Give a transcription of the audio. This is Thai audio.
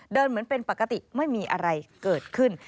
เหมือนเป็นปกติไม่มีอะไรเกิดขึ้น